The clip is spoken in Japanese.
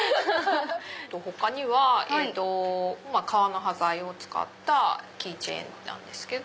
他には革の端材を使ったキーチェーンなんですけど。